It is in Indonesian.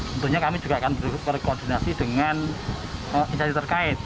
tentunya kami juga akan berkoordinasi dengan instansi terkait